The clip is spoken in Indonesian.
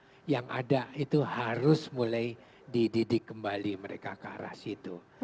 dan perbedaan yang ada itu harus mulai dididik kembali mereka ke arah situ